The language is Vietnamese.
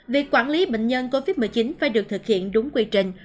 việc quản lý bệnh nhân covid một mươi chín phải được thực hiện đúng quy trình